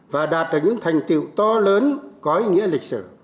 và đạt được những thành tiệu to lớn có ý nghĩa lịch sử